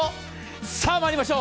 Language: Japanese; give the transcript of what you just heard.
さあまいりましょう。